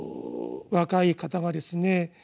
若い方がですね